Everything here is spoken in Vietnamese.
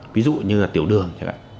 ví dụ như là tiểu đường